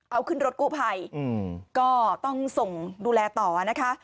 เอาขึ้นรถกู้ภัยก็ต้องส่งดูแลต่อนะคะ